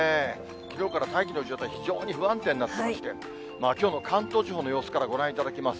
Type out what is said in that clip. きのうから大気の状態、非常に不安定になってまして、きょうの関東地方の様子からご覧いただきます。